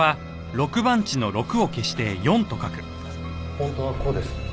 本当はこうです。